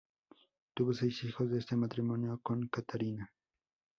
Tuvo seis hijos de este matrimonio con Katharina.